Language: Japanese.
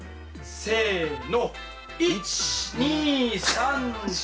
せの。